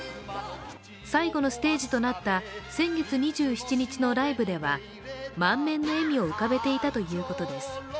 最後のステージとなった先月２７日のライブでは満面の笑みを浮かべていたということです。